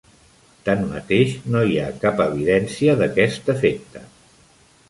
Tanmateix, no hi ha cap evidència d'aquest efecte.